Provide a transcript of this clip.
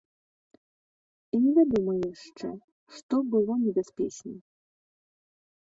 І невядома яшчэ, што было небяспечней.